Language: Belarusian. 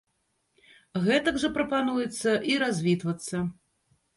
Гэтак жа прапануецца і развітвацца.